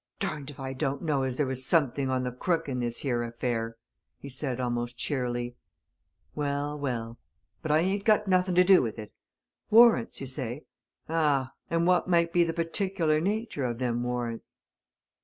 "Darned if I don't know as there was something on the crook in this here affair!" he said, almost cheerily. "Well, well but I ain't got nothing to do with it. Warrants? you say? Ah! And what might be the partiklar' natur' o' them warrants?"